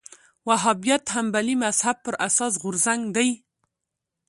وهابیت حنبلي مذهب پر اساس غورځنګ دی